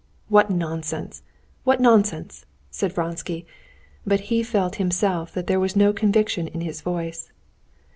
"What nonsense, what nonsense!" said Vronsky; but he felt himself that there was no conviction in his voice.